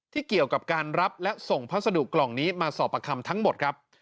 เกี่ยวกับการรับและส่งพัสดุกล่องนี้มาสอบประคำทั้งหมดครับ